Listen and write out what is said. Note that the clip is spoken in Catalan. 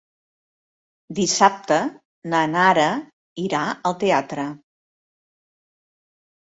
Dissabte na Nara irà al teatre.